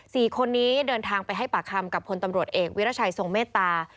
สี่คนนี้เดินทางไปให้ปากคำกับพลตำรวจเอกวิรัชัยทรงเมตตา